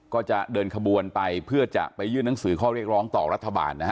ก็จะเดินขบวนไปเพื่อจะไปยื่นหนังสือข้อเรียกร้องต่อรัฐบาลนะฮะ